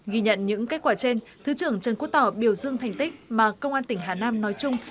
ghi nhận những kết quả trên thứ trưởng trần quốc tỏ biểu dương thành tích mà công an tỉnh hà nam nói chung